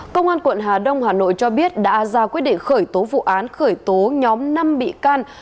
công an quận hà đông hà nội cho biết đã ra quyết định khởi tố vụ án khởi tố nhóm năm bị can